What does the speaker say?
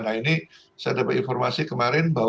nah ini saya dapat informasi kemarin bahwa